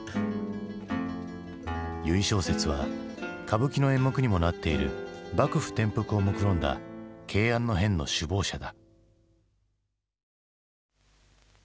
由井正雪は歌舞伎の演目にもなっている幕府転覆をもくろんだ慶安の変の首謀者だ。